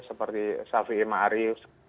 seperti safi'i ma'ari